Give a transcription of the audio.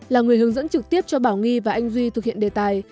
là người hướng dẫn trực tiếp cho bảo nghi và anh duy thực hiện đề tài